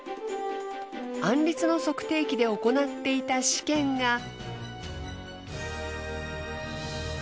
アンリツの測定器で行っていた試験が。